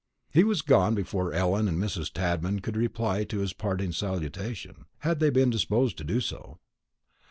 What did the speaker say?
He was gone before Ellen or Mrs. Tadman could reply to his parting salutation, had they been disposed to do so.